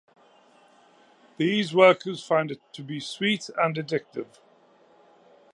These workers find it to be sweet and addictive.